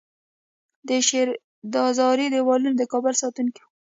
د شیردروازې دیوالونه د کابل ساتونکي وو